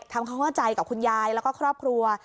ทำความเข้าใจกับคุณยายแล้วก็ครอบครัว